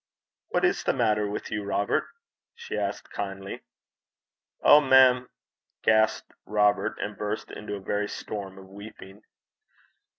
'What is the matter with you, Robert?' she asked, kindly. 'Oh, mem!' gasped Robert, and burst into a very storm of weeping.